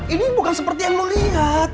ini bukan seperti yang lo lihat